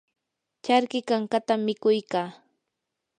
charki kankatam mikuy kaa.